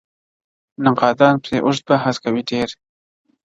نقادان پرې اوږد بحث کوي ډېر